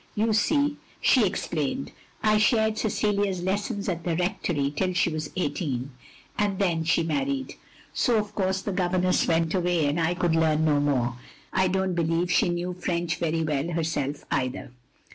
"You see," she ex plained, " I shared Cecilia's lessons at the Rectory till she was eighteen, and then she married; so of course the governess went away, and I could learn no more. I don't believe she knew French very well herself, either.